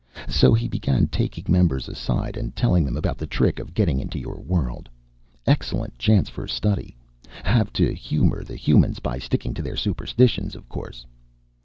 "So he began taking members aside and telling them about the trick of getting into your world. Excellent chance for study. Have to humor the humans by sticking to their superstitions, of course.